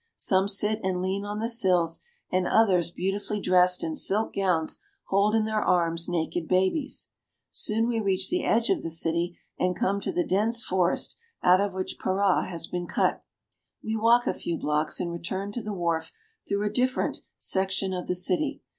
Some sit and lean on the sills, and others, beautifully dressed in silk gowns, hold in their arms naked babies. Soon we reach the edge of the city and come to the dense forest out of which Para has been cut. PARA. 309 We walk a few blocks, and return to the wharf through a different section of the city.